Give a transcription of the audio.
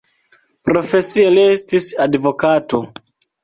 Profesie li estis advokato.